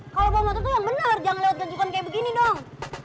kalau bawa motor tuh ya benar jangan lewat tunjukkan kayak begini dong